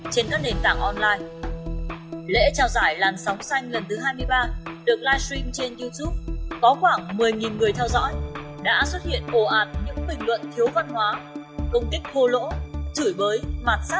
trên các nền tảng online lễ trào giải làn sóng xanh lần thứ hai mươi ba được live stream trên youtube có khoảng một mươi người theo dõi đã xuất hiện ổ ạt những bình luận thiếu văn hóa công kích hô lỗ chửi bới mặt sát các nghệ sĩ